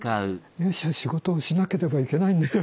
よし仕事をしなければいけないんだよ